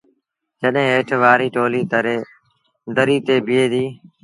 جڏهيݩ هيٺ وآريٚ ٽوليٚ دريٚ تي بيٚهي ديٚ۔